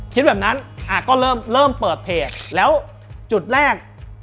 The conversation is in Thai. คิดแบบนั้นก็เริ่มเริ่มเปิดเพจแล้วจุดแรก